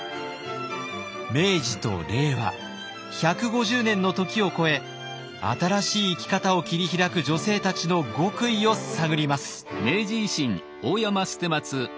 明治と令和１５０年の時を越え新しい生き方を切り開く女性たちの極意を探ります。